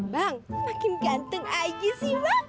bang makin ganteng aja sih bang